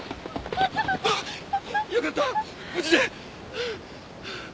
よかった無事で！